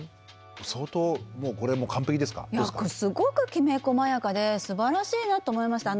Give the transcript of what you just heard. すごくきめこまやかですばらしいなと思いました。